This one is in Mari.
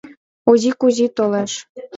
Ози Кузи толеш.